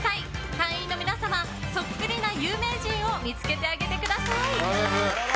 会員の皆様、そっくりな有名人を見つけてあげてください。